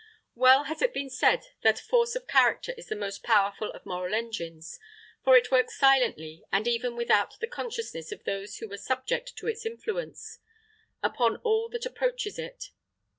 Well has it been said that force of character is the most powerful of moral engines, for it works silently, and even without the consciousness of those who are subject to its influence, upon all that approaches it.